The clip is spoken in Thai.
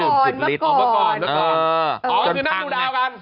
อ๋อคือนั่งดูดาวกัน